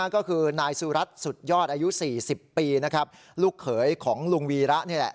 ก็คือนายสุรัตน์สุดยอดอายุ๔๐ปีนะครับลูกเขยของลุงวีระนี่แหละ